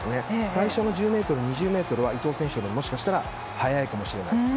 最初の１０ｍ、２０ｍは伊東選手よりも、もしかしたら速いかもしれないです。